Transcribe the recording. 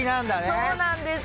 そうなんです。